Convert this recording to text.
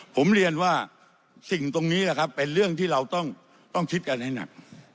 ผมเรียนว่าสิ่งตรงนี้แหละครับเป็นเรื่องที่เราต้องคิดกันให้หนัก